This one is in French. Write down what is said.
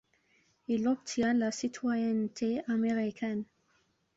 Il obtient la citoyenneté américaine.